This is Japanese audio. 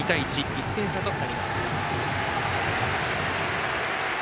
１点差となりました。